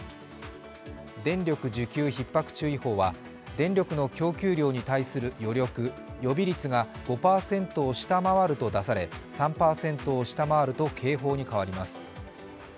電力需給ひっ迫注意報は電力の供給量に対する余力、予備率が５％を下回ると出され、３％を下回ると警報に変わります。